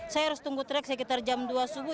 saya harus tunggu track sekitar jam dua subuh